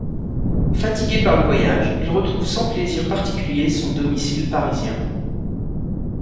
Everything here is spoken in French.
Fatigué par le voyage, il retrouve sans plaisir particulier son domicile parisien.